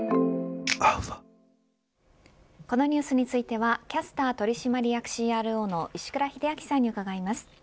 このニュースについてはキャスター取締役ＣＲＯの石倉秀明さんに伺います。